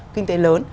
kinh tế lớn